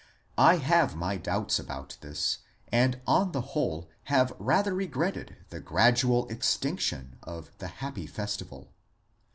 I have my doubts about this, and on the whole have rather regretted the gradual extinction of the happy festival.